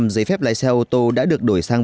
năm giấy phép lái xe ô tô đã được đổi sang